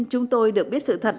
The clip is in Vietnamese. chúng tôi được biết sự thật